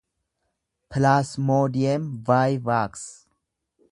pilaasmoodiyem vaayivaaks